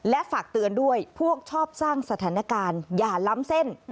และฝากเตือนด้วยพวกชอบสร้างสถานการณ์อย่าล้ำเส้น